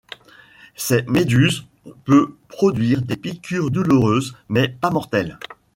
Cette méduse peut produire des piqûres douloureuses mais pas mortelles.